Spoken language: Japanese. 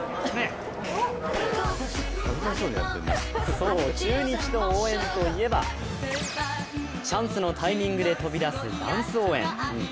そう、中日の応援といえばチャンスのタイミングで飛び出すダンス応援。